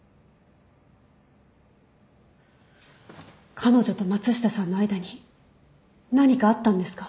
彼女と松下さんの間に何かあったんですか？